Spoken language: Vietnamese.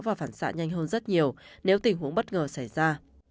và phản xạ nhanh hơn rất nhiều nếu tình huống bất ngờ xảy ra